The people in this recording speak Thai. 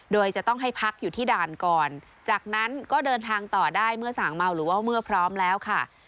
โดยจะต้องให้พักอยู่ที่ด่านก่อนจากนั้นก็เดินทางต่อได้เมื่อสั่งเมาหรือว่าเมื่อพร้อมแล้วค่ะ